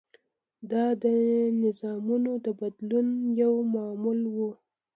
دا د نظامونو د بدلون یو معمول و.